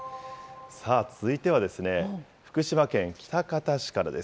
さあ、続いては福島県喜多方市からです。